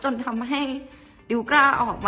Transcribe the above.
จนดิวไม่แน่ใจว่าความรักที่ดิวได้รักมันคืออะไร